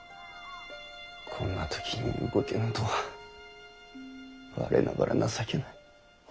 こんな時に動けぬとは我ながら情けない。